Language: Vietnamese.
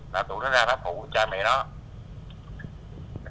là tụi nó ra nó phụ cha mẹ nó